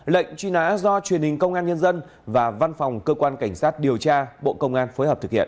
lệnh truy nã do truyền hình công an nhân dân và văn phòng cơ quan cảnh sát điều tra bộ công an phối hợp thực hiện